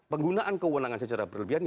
penggunaan kewenangan secara berlebihan